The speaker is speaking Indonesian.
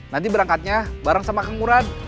nanti berangkatnya bareng sama kangguran